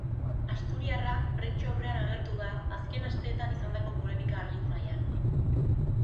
Asturiarra prentsa aurrean agertu da azken asteetan izandako polemika argitu nahian.